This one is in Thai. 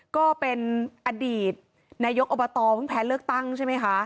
ก็เป็นอดีตนายกอบตเพิ่งแพ้เลือกตั้งใช่ไหมคะ